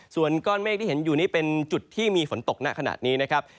ส่วนก้อนเมฆที่เห็นอยู่นี่เป็นจุดที่มีฝนตกน่ะขนาดนี้